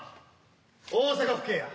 大阪府警や。